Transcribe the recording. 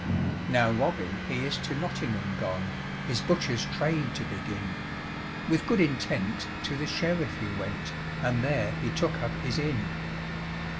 Now Robin he is to Nottingham gone, His butcher's trade to begin; With good intent to the Sheriff he went, And there he took up his inn.